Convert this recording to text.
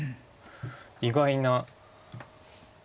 意外な。